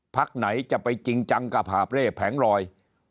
พักไหนจะไปจริงจังกับหาบเล่แผงลอย